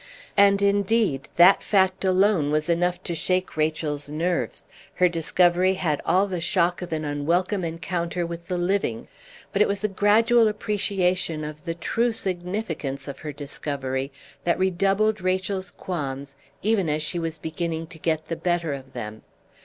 And indeed that fact alone was enough to shake Rachel's nerves; her discovery had all the shock of an unwelcome encounter with the living. But it was the gradual appreciation of the true significance of her discovery that redoubled Rachel's qualms even as she was beginning to get the better of them.